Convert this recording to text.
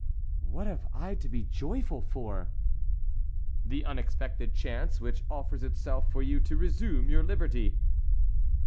"What have I to be joyful for?" "The unexpected chance which offers itself for you to resume your liberty."